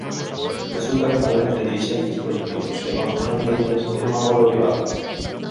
¿Resulta que falar entre dirixentes políticos e consensuar medidas é un acordo privado?